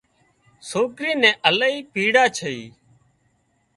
سوڪري نين الاهي پيڙا ڇئي